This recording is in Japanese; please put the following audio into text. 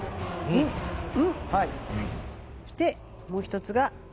そしてもう一つが。